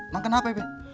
mak kenapa ibe